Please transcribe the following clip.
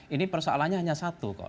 ini persoalannya hanya satu